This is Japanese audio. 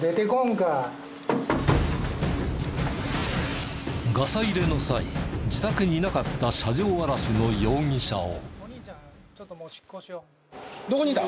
２１ガサ入れの際自宅にいなかった車上あらしの容疑者を。